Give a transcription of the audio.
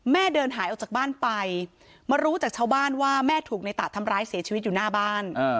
เดินหายออกจากบ้านไปมารู้จากชาวบ้านว่าแม่ถูกในตะทำร้ายเสียชีวิตอยู่หน้าบ้าน